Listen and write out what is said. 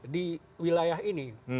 di wilayah ini